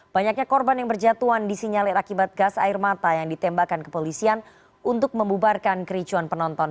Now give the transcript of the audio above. banyaknya korban yang berjatuhan disinyalir akibat gas air mata yang ditembakkan kepolisian untuk membubarkan kericuan penonton